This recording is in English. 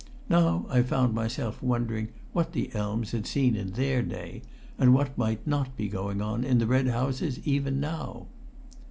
Now I found myself wondering what the elms had seen in their day, and what might not be going on in the red houses even now.